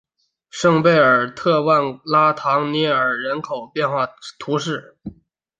圣贝尔特万拉唐涅尔人口变化图示